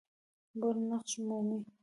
بل نقش مومي.